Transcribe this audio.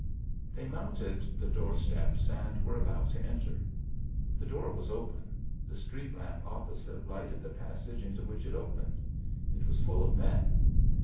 They mounted the doorsteps and were about to enter. The door was open; the street lamp opposite lighted the passage into which it opened. It was full of men.